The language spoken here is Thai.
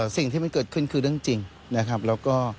สิ่งที่มันเกิดขึ้นคือเรื่องจริงนะครับแล้วก็